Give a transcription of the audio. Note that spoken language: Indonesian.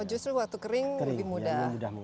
justru waktu kering lebih mudah